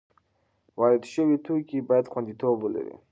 وارد شوي توکي باید خوندیتوب ولري.